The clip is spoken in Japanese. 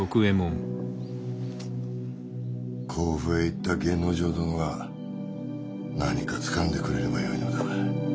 甲府へ行った源之丞殿が何かつかんでくれればよいのだが。